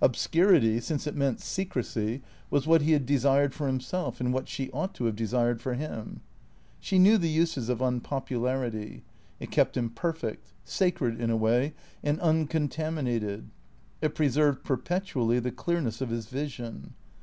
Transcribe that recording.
Obscurity, since it meant secrecy, was what he had desired for himself, and what she ought to have desired for him. She knew the uses of unpopularity. It kept him perfect ; sacred in a way, and uncontaminated. It preserved, perpetually, the clearness of his vision.